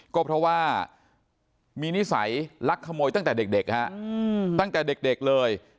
ก็เพราะว่ามีนิสัยลักขโมยตั้งแต่เด็กฮะตั้งแต่เด็กเลย